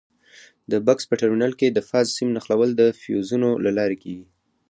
د بکس په ټرمینل کې د فاز سیم نښلول د فیوزونو له لارې کېږي.